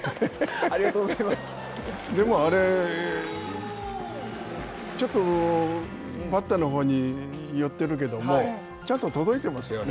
でも、あれ、ちょっとバッターのほうに寄っているけども、ちゃんと届いてますよね。